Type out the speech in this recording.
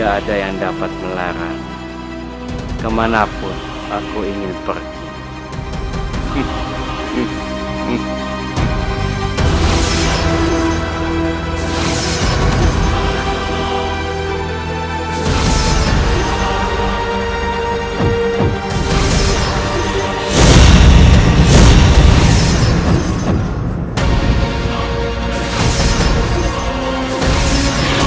kamanapun aku ingin pergi